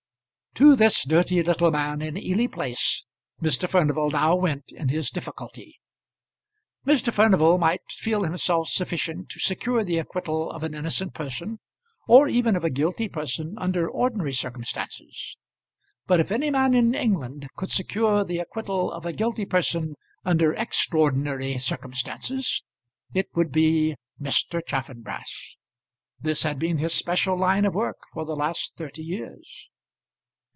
To this dirty little man in Ely Place, Mr. Furnival now went in his difficulty. Mr. Furnival might feel himself sufficient to secure the acquittal of an innocent person, or even of a guilty person, under ordinary circumstances; but if any man in England could secure the acquittal of a guilty person under extraordinary circumstances, it would be Mr. Chaffanbrass. This had been his special line of work for the last thirty years.